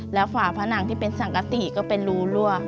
แล้วฝาผนังที่เป็นสังกติก็เป็นรูรั่ว